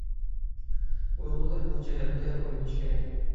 ئۇيغۇرلار بۇ جەھەتتە ئويلىنىشى كېرەك.